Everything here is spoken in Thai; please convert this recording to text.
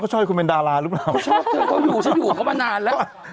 ชอบให้คุณเป็นดาราหรือเปล่าชอบเธอเขาอยู่ฉันอยู่เขามานานแล้ว